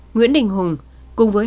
nguyễn đình hùng cùng với